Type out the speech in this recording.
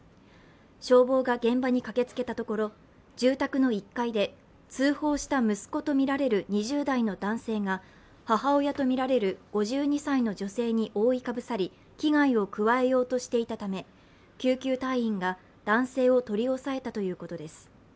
消防が現場に駆けつけたところ、住宅の１階で、通報した息子とみられる２０代の男性が母親とみられる５２歳の女性に覆いかぶさり危害を加えようとしていたため救急隊員が男性を取り押さえたということです。